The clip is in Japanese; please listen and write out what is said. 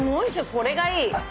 これがいい。